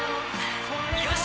よし！